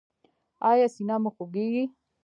ایا سینه مو خوږیږي؟